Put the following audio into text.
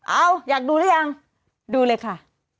เอาอยากดูรึยังดูเลยค่ะ